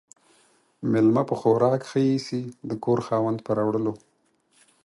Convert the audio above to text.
ميلمه په خوراک ِښه ايسي ، د کور خاوند ، په راوړلو.